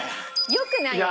良くないよ。